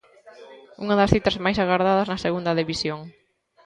Unha das citas máis agardadas na Segunda División.